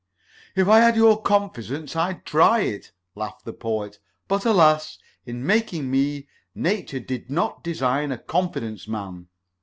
"If I had your confidence I'd try it," laughed the Poet, "but, alas! in making me Nature did not design a confidence man."